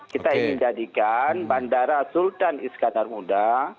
kita ingin jadikan bandara sultan iskandar muda